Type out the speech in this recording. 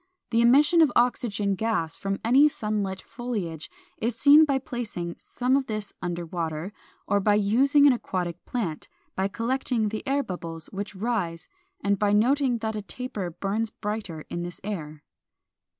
The emission of oxygen gas from any sun lit foliage is seen by placing some of this under water, or by using an aquatic plant, by collecting the air bubbles which rise, and by noting that a taper burns brighter in this air.